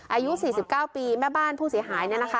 อายุ๔๙ปีแม่บ้านผู้เสียหาย